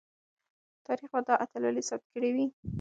تاریخ به دا اتلولي ثبت کړې وي.